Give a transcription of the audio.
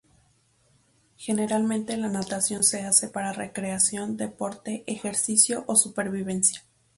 Generalmente la natación se hace para recreación, deporte, ejercicio o supervivencia.